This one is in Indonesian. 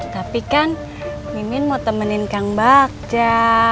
tapi kan mimin mau temanin kambakca